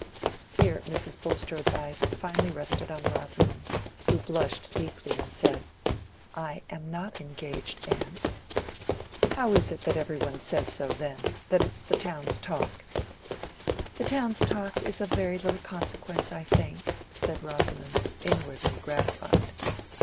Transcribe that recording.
Here Mrs. Bulstrode's eyes finally rested on Rosamond's, who blushed deeply, and said— "I am not engaged, aunt." "How is it that every one says so, then—that it is the town's talk?" "The town's talk is of very little consequence, I think," said Rosamond, inwardly gratified.